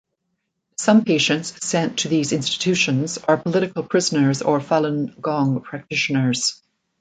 Some patients sent to these institutions are political prisoners or Falun Gong practitioners.